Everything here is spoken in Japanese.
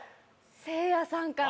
せいやさんかな。